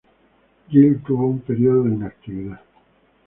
Jill tuvo un período de inactividad.